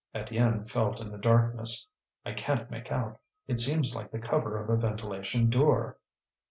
Étienne felt in the darkness. "I can't make out; it seems like the cover of a ventilation door."